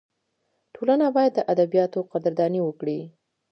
ټولنه باید د ادیبانو قدرداني وکړي.